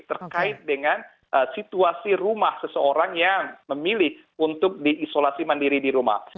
terkait dengan situasi rumah seseorang yang memilih untuk diisolasi mandiri di rumah